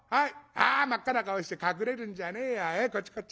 ああ真っ赤な顔して隠れるんじゃねえやこっちこっち。